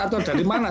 atau dari mana